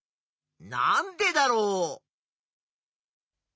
なんでだろう？